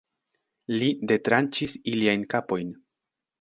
Li detranĉis iliajn kapojn.